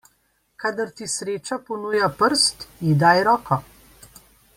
Kadar ti sreča ponuja prst, ji daj roko.